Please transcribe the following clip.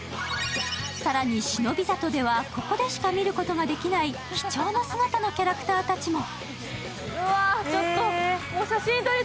更に忍里では、ここでしか見ることができない貴重な姿のキャラクターたちも。